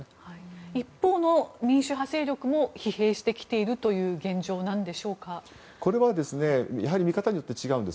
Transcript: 一方の民主派勢力も疲弊してきているという見方によって違うんです。